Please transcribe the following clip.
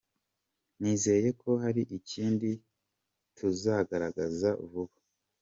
Nizeye ko hari ikindi tuzagaragaza vuba.